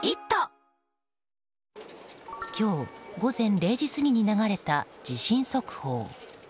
今日、午前０時過ぎに流れた地震速報。